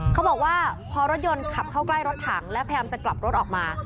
เขาบอกว่าพอรถยนต์ขับเข้าใกล้รถถังและพยายามจะกลับรถออกมา